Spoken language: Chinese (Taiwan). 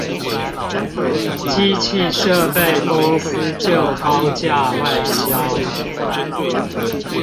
機器設備公司就高價外銷